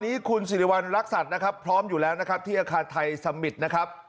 นี้คุณสิริวัณรักษัตริย์นะครับพร้อมอยู่แล้วนะครับที่อาคารไทยสมิตรนะครับ